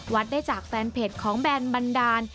วัดได้จากแฟนเพจของแบนบันดาล